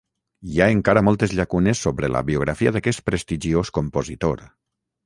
Hi ha encara moltes llacunes sobre la biografia d'aquest prestigiós compositor.